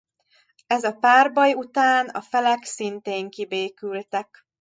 Ez a párbaj után a felek szintén kibékültek.